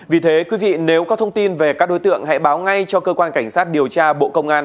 vì thế quý vị nếu có thông tin về các đối tượng hãy báo ngay cho cơ quan cảnh sát điều tra bộ công an